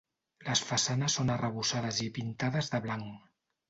Les façanes són arrebossades i pintades de blanc.